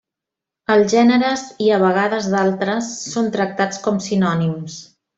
Els gèneres i a vegades d'altres són tractats com sinònims.